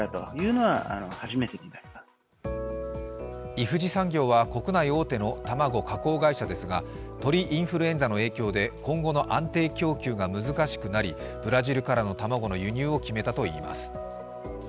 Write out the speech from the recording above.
イフジ産業は国内大手の卵加工会社ですが鳥インフルエンザの影響で今後の安定供給が難しくなりブラジルからの卵の輸入を決めたといいます。